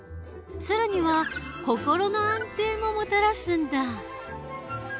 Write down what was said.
更には心の安定ももたらすんだ。